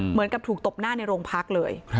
เหมือนกับถูกตบหน้าในโรงพักเลย